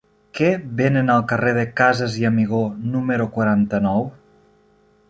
Què venen al carrer de Casas i Amigó número quaranta-nou?